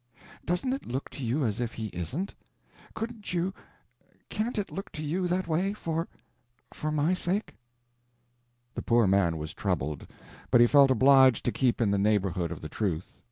Doesn't it look to you as if he isn't? Couldn't you—can't it look to you that way—for—for my sake?" The poor man was troubled, but he felt obliged to keep in the neighborhood of the truth.